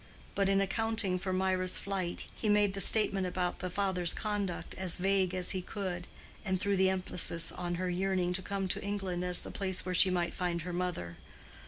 But in accounting for Mirah's flight he made the statement about the father's conduct as vague as he could, and threw the emphasis on her yearning to come to England as the place where she might find her mother.